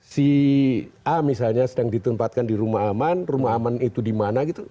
si a misalnya sedang ditempatkan di rumah aman rumah aman itu di mana gitu